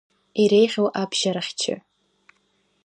Иреиӷьу абжьарахьчаҩ…